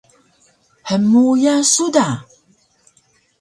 Hmuya su da?